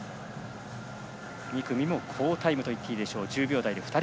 ２組も好タイムといっていいでしょう１０秒台が２人。